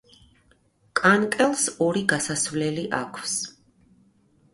კანკელს ორი გასასვლელი აქვს.